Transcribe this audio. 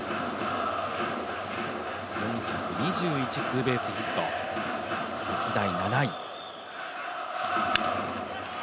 ４２１ツーベースヒット、歴代７位。